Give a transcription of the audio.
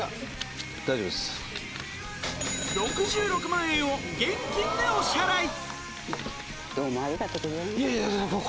６６万円を現金でお支払い